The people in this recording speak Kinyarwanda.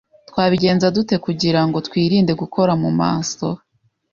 Twabigenza dute kugiarango twirinde gukora mumaso?